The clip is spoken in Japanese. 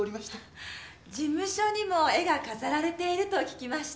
事務所にも絵が飾られていると聞きまして。